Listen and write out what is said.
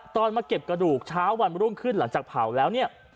มาเก็บกระดูกเช้าวันรุ่งขึ้นหลังจากเผาแล้วเนี่ย